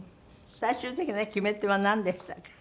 最終的な決め手はなんでしたか？